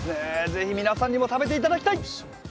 ぜひ皆さんにも食べて頂きたい！